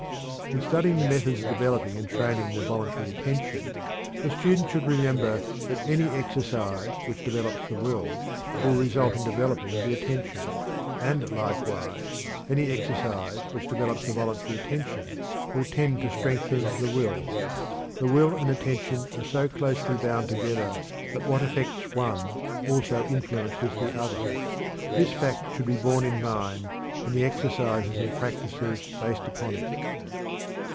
In studying the methods of developing and training the voluntary attention, the student should remember that any exercise which develops the will, will result in developing the attention; and, likewise, any exercise which develops the voluntary attention will tend to strengthen the will. The will and attention are so closely bound together that what affects one also influences the other. This fact should be borne in mind, and the exercises and practices based upon it.